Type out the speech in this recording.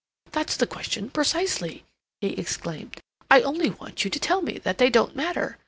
"That's the question precisely," he exclaimed. "I only want you to tell me that they don't matter.